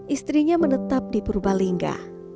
istrinya menetap di purbalingga